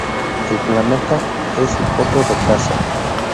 El planeta es su coto de caza.